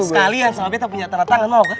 sekalian sama beta punya tanah tangan mau kak